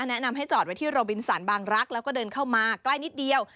แนะนำให้จอดไว้ที่โรบินสันบางรักษ์แล้วก็เดินเข้ามาใกล้นิดเดียว